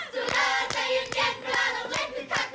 จุลาใจเย็นเย็นเวลาลงเล่น